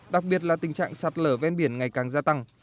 đặc biệt là tình trạng sạt lở ven biển ngày càng gia tăng